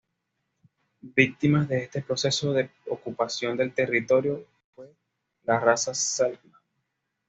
Víctimas de este proceso de ocupación del territorio fue la raza selknam.